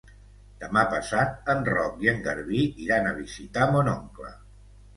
Demà passat en Roc i en Garbí iran a visitar mon oncle.